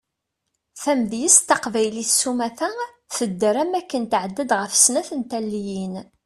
Tamedyazt taqbaylit sumata tedder am waken tɛedda-d ɣef snat n taliyin.